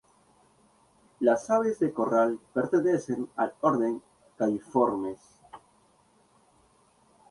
Las aves de corral pertenecen al Orden Galliformes.